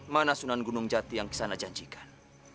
mana sunan gunung jati yang kesana janjikan